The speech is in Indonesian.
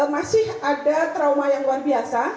masih ada trauma yang luar biasa